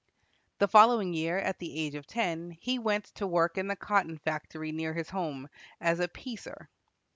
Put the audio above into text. The following year, at the age of ten, he went to work in the cotton factory near his home, as a "piecer."